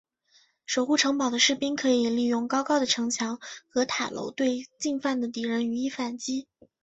守护城堡的士兵可以利用高高的城墙和塔楼对进犯的敌人予以反击。